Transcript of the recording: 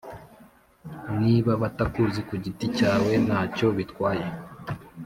niba batakuzi kugiti cyawe ntacyo bitwaye